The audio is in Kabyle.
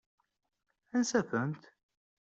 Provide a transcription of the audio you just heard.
Ansa-tent?